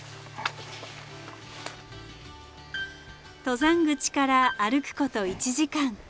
登山口から歩くこと１時間。